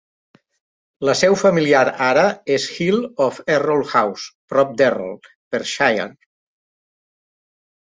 La seu familiar ara és Hill of Errol House prop d'Errol, Perthshire.